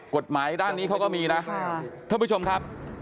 กฎหมายด้านนี้เค้าก็มีนะ